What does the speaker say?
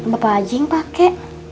bapak aja yang pake